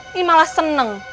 ini malah seneng